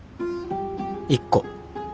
１個。